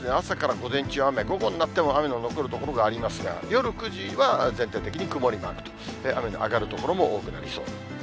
午後になっても雨の残る所がありますが、夜９時は全体的に曇りマークと、雨のあがる所も多くなりそう。